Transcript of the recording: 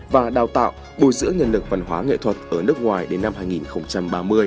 và đào tạo bồi dưỡng nhân lực văn hóa nghệ thuật ở nước ngoài đến năm hai nghìn ba mươi